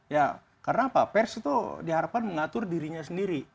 ya karena apa pers itu diharapkan mengatur dirinya sendiri